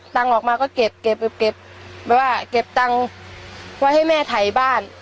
ตังออกมาก็เก็บเก็บเก็บเก็บตังไว้ให้แม่ไถบ้าน